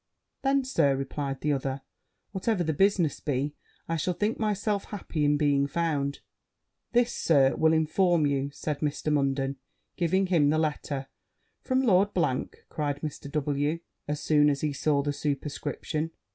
'Then, Sir,' replied the other, 'whatever the business be, I shall think myself happy in being found.' 'This, Sir, will inform you,' said Mr. Munden, giving him the letter. 'From Lord !' cried Mr. W , as soon as he saw the superscription.